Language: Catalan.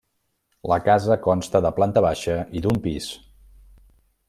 La casa consta de planta baixa i d'un pis.